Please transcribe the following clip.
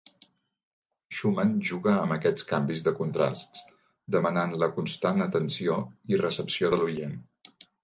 Schumann juga amb aquests canvis de contrasts demanant la constant atenció i recepció de l'oient.